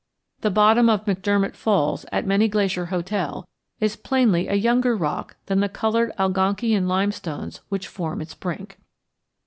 The bottom of McDermott Falls at Many Glacier Hotel is plainly a younger rock than the colored Algonkian limestones which form its brink.